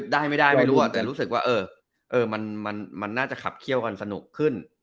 ได้ไม่ได้ไม่รู้แต่รู้สึกว่ามันน่าจะขับเคี่ยวกันสนุกขึ้น